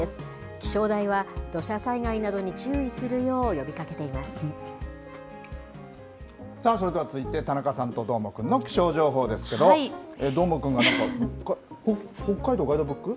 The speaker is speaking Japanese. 気象台は土砂災害などに注意するさあ、それでは続いて、田中さんとどーもくんの気象情報ですけど、どーもくんが、北海道ガイドブック？